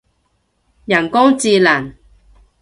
人工智能